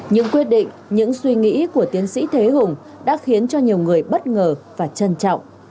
những quyết định những suy nghĩ của tiến sĩ thế hùng đã khiến cho nhiều người bất ngờ và trân trọng